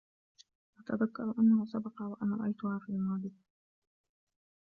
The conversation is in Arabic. أتذكر أنه سبق و أن رأيتها في الماضي.